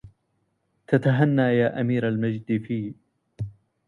تتهنى يا أمير المجد في